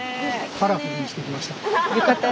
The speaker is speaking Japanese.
カラフルにしてきました。